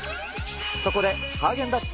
そこで、ハーゲンダッツ